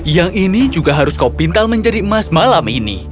yang ini juga harus kau pintal menjadi emas malam ini